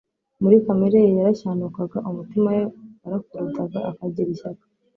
Muri kamere ye yarashyanukaga, umutima we warakurudaga, akagira ishyaka,